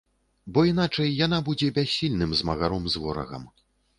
Бо іначай яна будзе бяссільным змагаром з ворагам.